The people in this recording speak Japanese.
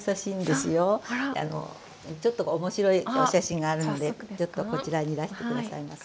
あのちょっと面白いお写真があるのでちょっとこちらにいらして下さいますか。